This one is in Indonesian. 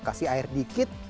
kasih air dikit